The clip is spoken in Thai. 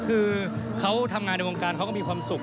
คือเขาทำงานในวงการเขาก็มีความสุข